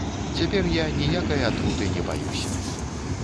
Цяпер я ніякай атруты не баюся.